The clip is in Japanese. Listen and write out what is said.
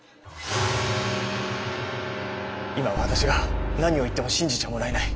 今私が何を言っても信じちゃもらえない。